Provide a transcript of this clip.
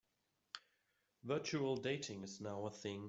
Virtual dating is now a thing.